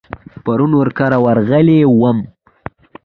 پرون ور کره ورغلی وم.